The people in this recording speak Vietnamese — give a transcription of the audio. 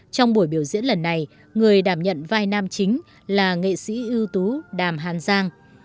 trong buổi biểu diễn lần này người đảm nhận vai nam chính là nghệ sĩ ưu tú đàm hàn giang